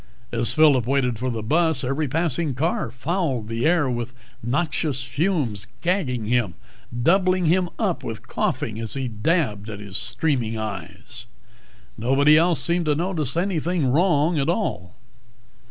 As Phillip waited for the bus, every passing car fouled the air with noxious fumes, gagging him, doubling him up with coughing as he dabbed at his streaming eyes. Nobody else seemed to notice anything wrong at all.